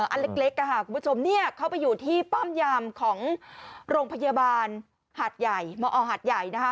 อันเล็กคุณผู้ชมเขาไปอยู่ที่เป้ามยามของโรงพยาบาลหมออหัตต์ใหญ่